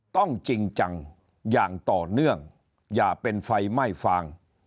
จริงจังอย่างต่อเนื่องอย่าเป็นไฟไหม้ฟาง